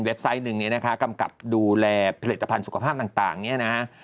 เว็บไซต์หนึ่งคำกัดดูแลผลิตภัณฑ์สุขภาพต่างนี่นะ